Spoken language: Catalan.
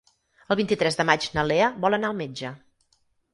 El vint-i-tres de maig na Lea vol anar al metge.